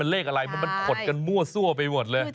เลขกับอะไรขดมั่วซั่วไปหมดเลย